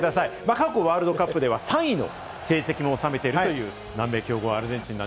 過去、ワールドカップ３位の成績もおさめている南米の強豪・アルゼンチン。